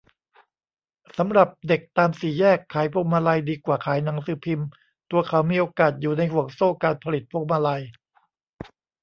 สำหรับเด็กตามสี่แยก ขายพวงมาลัยดีกว่าขายหนังสือพิมพ์ ตัวเขามีโอกาสอยู่ในห่วงโซ่การผลิตพวงมาลัย